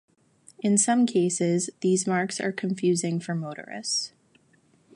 In some cases, these marks are confusing for motorists.